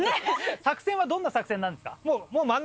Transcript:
作戦はどんな作戦なんですか？